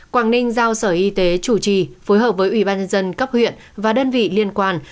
quảng ninh giao sở y tế chủ trì phối hợp với ủy ban nhân dân cấp huyện và đơn vị liên quan